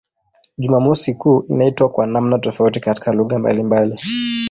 Jumamosi kuu inaitwa kwa namna tofauti katika lugha mbalimbali.